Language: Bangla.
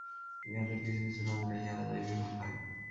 ইহাদের কিছু কিছু না দিলে ইহারা যাইবে কোথায়?